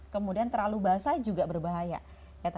kemudian terlalu basah juga berbahaya